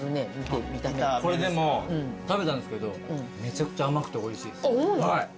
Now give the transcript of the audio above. これでも食べたんですけどめちゃくちゃ甘くておいしいです。